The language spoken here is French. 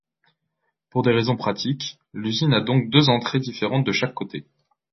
Pour des raisons pratiques, l'usine a donc deux entrées différentes de chaque côté.